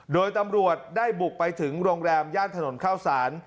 โดยตำรวจได้บุกไปถึงโรงแรมย่านถนนข้าวสาร